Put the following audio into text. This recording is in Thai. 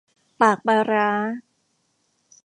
ปากปลาร้า